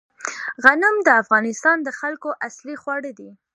غنم د افغانستان د خلکو اصلي خواړه دي